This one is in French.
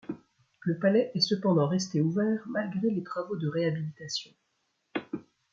Le palais est cependant resté ouvert malgré les travaux de réhabilitation.